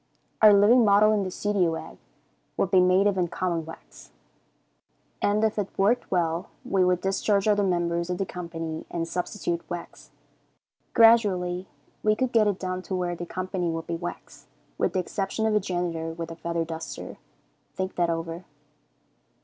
Our living model in the studio act would be made of common wax, and if it worked well, we would discharge other members of the company and substitute wax. Gradually we could get it down to where the company would be wax, with the exception of a janitor with a feather duster. Think that over.